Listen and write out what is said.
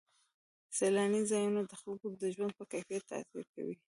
سیلاني ځایونه د خلکو د ژوند په کیفیت تاثیر کوي.